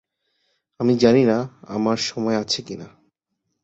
আমি জানিনা আমার সময় আছে কি না।